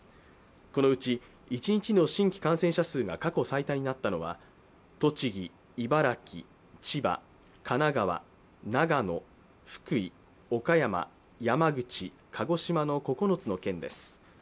このうち、１日の新規感染者数が過去最多になったのは、栃木、茨城、千葉、神奈川、長野、福井岡山、山口、鹿児島の９つの県です。